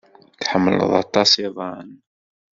Tḥemmel aṭas iḍan.